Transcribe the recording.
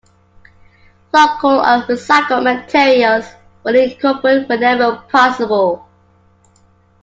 Local and recycled materials were incorporated whenever possible.